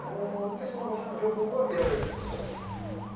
その場所の情報が得られるとそうです。